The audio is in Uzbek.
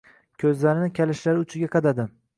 Ko‘zlarini kalishlari uchiga qadadi.